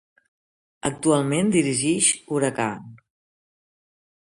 Actualment dirigix Huracán.